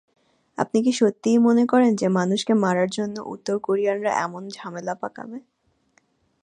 আপনি কি সত্যিই মনে করেন যে মানুষকে মারার জন্য উত্তর কোরিয়ানরা এমন ঝামেলা পাকাবে?